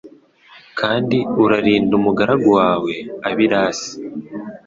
Kandi urarinde umugaragu wawe abirasi